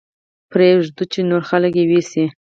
پرې يې ږدو چې نور خلک يې ويسي.